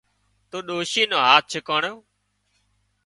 تو ڏوشِي نو هاٿ ڇڪاڻو